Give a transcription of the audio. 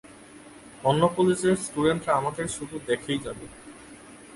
অন্য কলেজের স্টুডেন্টরা আমাদের শুধু দেখেই যাবে।